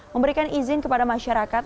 memberikan izin kepada masyarakat